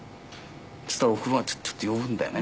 そしたらおふくろが「ちょちょ」って呼ぶんだよね。